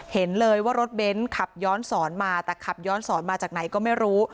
เห็นเลยว่ารถเบ้นขับย้อนสอนมาแต่ขับย้อนสอนมาจากไหนก็ไม่รู้